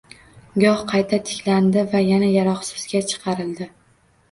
Goh qayta tiklandi va yana yaroqsizga chiqarildi